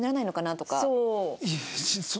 そう。